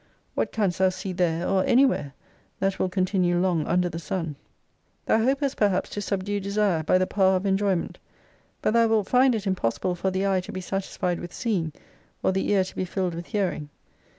What canst thou see there or any where, that will • continue long under the sun '? Thou hopest perhaps to subdue desire by the power of enjoyment : but thou wilt find it impossible for • the eye to be satisfied with seeing, or the ear to be filled with hearing.'